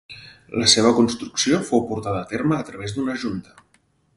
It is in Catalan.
La seva construcció fou portada a terme a través d'una junta.